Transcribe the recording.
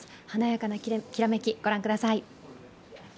華やかなきらめき、御覧ください。